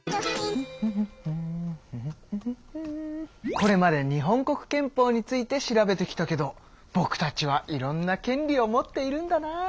これまで日本国憲法について調べてきたけどぼくたちはいろんな権利を持っているんだな。